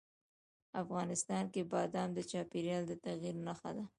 افغانستان کې بادام د چاپېریال د تغیر نښه ده.